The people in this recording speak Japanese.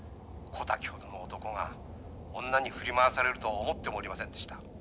小滝ほどの男が女に振り回されるとは思ってもおりませんでした。